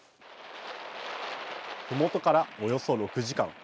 ふもとからおよそ６時間。